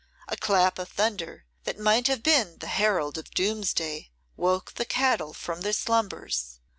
A clap of thunder, that might have been the herald of Doomsday, woke the cattle from their slumbers.